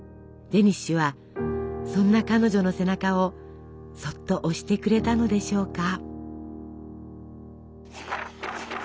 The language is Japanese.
デニッシュはそんな彼女の背中をそっと押してくれたのでしょうか。